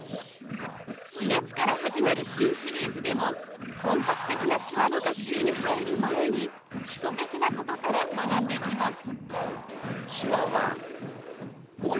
４月から始まる新シリーズでも本格的な手話の学習に入る前に基礎的なことから学んでいきます。